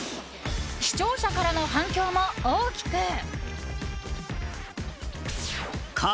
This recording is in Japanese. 視聴者からの反響も大きく。